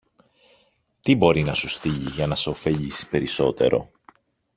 τι μπορεί να σου στείλει, για να σε ωφελήσει περισσότερο.